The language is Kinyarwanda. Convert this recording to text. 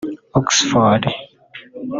oxford